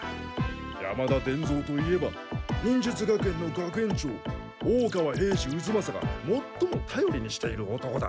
山田伝蔵といえば忍術学園の学園長大川平次渦正がもっともたよりにしている男だ。